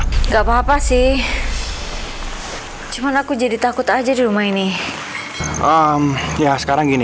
enggak papa sih cuman aku jadi takut aja di rumah ini om ya sekarang gini